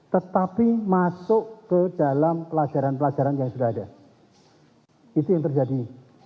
tetapi masuk ke dalam pelajaran pelajaran yang sudah ada itu yang terjadi